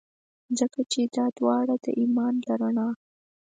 ځکه چي دا داوړه د ایمان له رڼا.